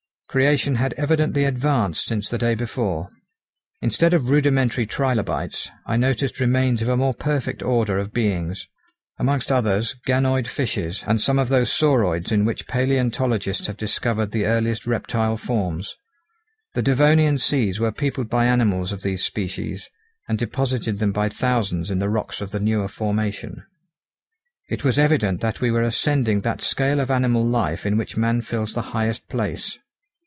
Creation had evidently advanced since the day before. Instead of rudimentary trilobites, I noticed remains of a more perfect order of beings, amongst others ganoid fishes and some of those sauroids in which palaeontologists have discovered the earliest reptile forms. The Devonian seas were peopled by animals of these species, and deposited them by thousands in the rocks of the newer formation. It was evident that we were ascending that scale of animal life in which man fills the highest place.